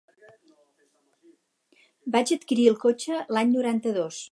Vaig adquirir el cotxe l'any noranta-dos.